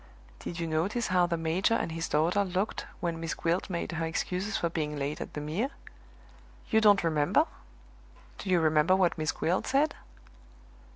"Did you notice how the major and his daughter looked when Miss Gwilt made her excuses for being late at the Mere? You don't remember? Do you remember what Miss Gwilt said?"